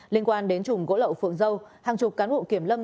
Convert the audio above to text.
liên quan đến chùm gỗ lậu phượng dâu hàng chục cán bộ kiểm lâm